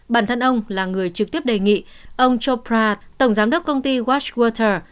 bản thân ông là người trực tiếp đề nghị ông joe pratt tổng giám đốc công ty washwater